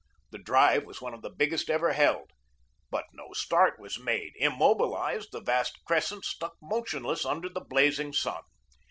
The drive was one of the largest ever held. But no start was made; immobilized, the vast crescent stuck motionless under the blazing sun.